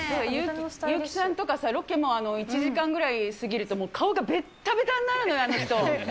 優木ちゃんとかさ、ロケも１時間ぐらい過ぎると、もう顔がべったべたになるのよ、あの人。